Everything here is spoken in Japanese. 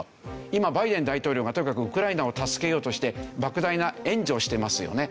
今バイデン大統領がとにかくウクライナを助けようとして莫大な援助をしてますよね。